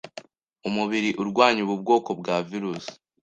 umubiri urwanya ubu bwoko bwa virus